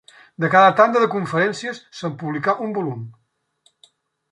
De cada tanda de conferències, se’n publicà un volum.